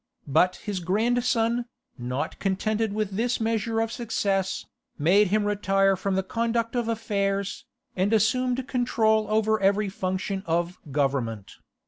But his grandson, not contented with this measure of success, made him retire from the conduct of affairs, and assumed control over every function of government.